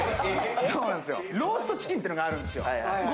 そうなんですよ、ローストチキンっていうのがあるんですよ。